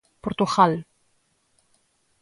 Portugal.